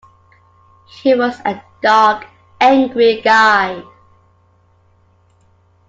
He was a dark, angry guy.